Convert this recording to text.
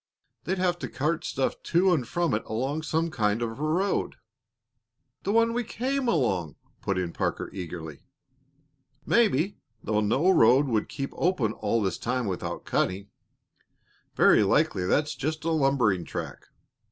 They'd have to cart stuff to and from it along some kind of a road " "The one we came along!" put in Parker, eagerly. "Maybe, though no road would keep open all this time without cutting. Very likely that's just a lumbering track.